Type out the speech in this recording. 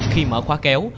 khi mở khóa kéo